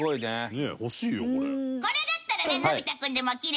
これだったらね。